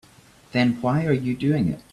Then why are you doing it?